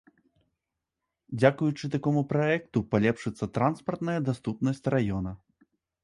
Дзякуючы такому праекту палепшыцца транспартная даступнасць раёна.